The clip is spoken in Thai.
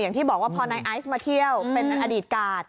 อย่างที่บอกว่าพอนายไอซ์มาเที่ยวเป็นอดีตกาด